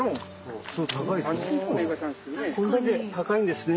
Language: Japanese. こんだけ高いんですね。